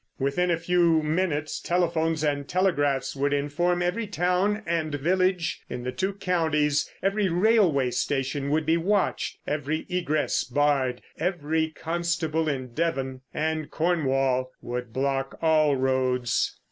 Within a few minutes telephones and telegraphs would inform every town and village in the two counties, every railway station would be watched, every egress barred; every constable in Devon and Cornwall would block all roads.